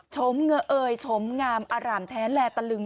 ชมเงอเอยชมงามอร่ามแท้แลตะลึง